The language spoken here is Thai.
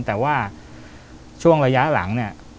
แต่ว่าช่วงระยะหลังเนี่ย